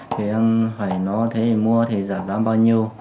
thì em hỏi nó thế mua thì giả giá bao nhiêu